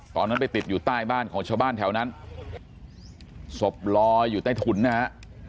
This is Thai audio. ตอนนั้นไปติดอยู่ใต้บ้านของชาวบ้านแถวนั้นศพลอยอยู่ใต้ถุนนะฮะ